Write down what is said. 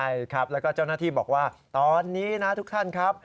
ใช่ครับแล้วก็เจ้าหน้าที่บอกว่าตอนนี้นะทุกท่านครับ